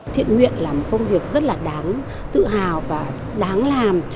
thiện nguyện là một công việc rất là đáng tự hào và đáng làm